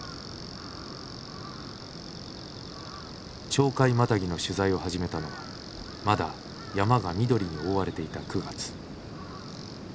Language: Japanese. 鳥海マタギの取材を始めたのはまだ山が緑に覆われていた９月。